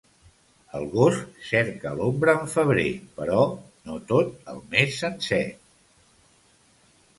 El gos cerca l'ombra en febrer, però no tot el mes sencer.